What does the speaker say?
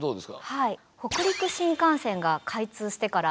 はい。